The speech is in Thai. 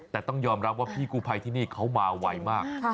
แต่ต้องยอมรับว่าพี่กู้ภัยที่นี่เขามาไวมาก